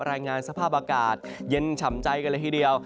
รายงานสภาพอากาศเย็นฉ่ำใจกันเลยทีเดียว